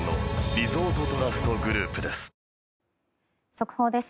速報です。